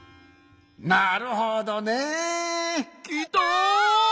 なるほどね。きた！